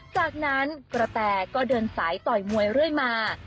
จากนั้นกระแตก็เดินสายต่อยมวยเรื่อยมา